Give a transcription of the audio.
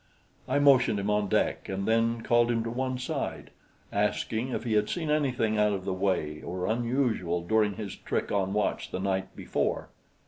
I motioned him on deck and then called him to one side, asking if he had seen anything out of the way or unusual during his trick on watch the night before.